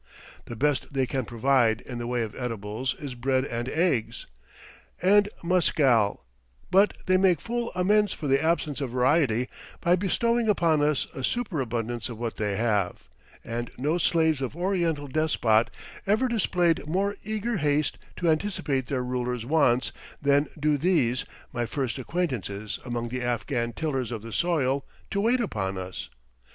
The best they can provide in the way of eatables is bread and eggs, and muscal, but they make full amends for the absence of variety by bestowing upon us a superabundance of what they have, and no slaves of Oriental despot ever displayed more eager haste to anticipate their ruler's wants than do these, my first acquaintances among the Afghan tillers of the soil, to wait upon us.